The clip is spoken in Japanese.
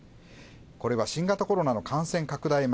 これは新型コロナの感染拡大前、